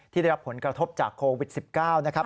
ได้รับผลกระทบจากโควิด๑๙นะครับ